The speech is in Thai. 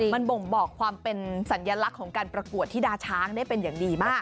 มันบ่งบอกความเป็นสัญลักษณ์ของการประกวดที่ดาช้างได้เป็นอย่างดีมาก